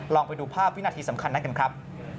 ไปดูภาพวินาทีสำคัญนั้นกันครับ